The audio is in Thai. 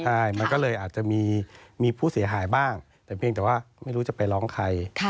ใช่มันก็เลยอาจจะมีผู้เสียหายบ้างแต่เพียงแต่ว่าไม่รู้จะไปร้องใคร